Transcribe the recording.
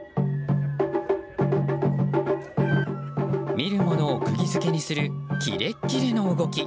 見るものを釘付けにするキレッキレの動き。